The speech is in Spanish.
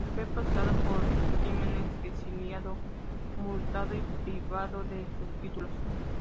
Fue procesado por sus crímenes, exiliado, multado y privado de sus títulos.